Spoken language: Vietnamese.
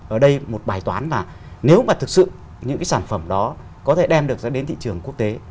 ở đây một bài toán là nếu mà thực sự những cái sản phẩm đó có thể đem được ra đến thị trường quốc tế